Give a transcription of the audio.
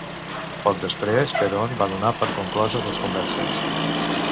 Poc després Perón va donar per concloses les converses.